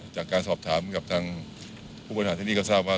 จากการสอบถามกับทางผู้บริหารที่นี่ก็ทราบว่า